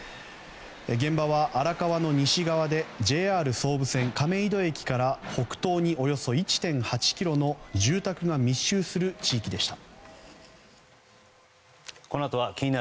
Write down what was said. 現場は荒川の西側でＪＲ総武線亀戸駅から北東におよそ１．８ｋｍの住宅が密集する地域でした。